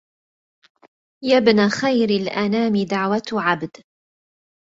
يا بن خير الأنام دعوة عبد